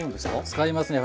使いますね。